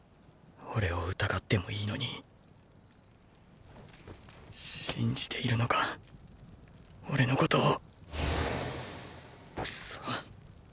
俺を疑ってもいいのに信じているのか俺のことをクソッ。